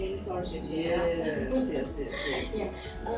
ada banyak cara untuk mendapatkan